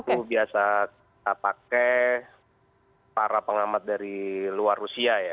itu biasa kita pakai para pengamat dari luar rusia ya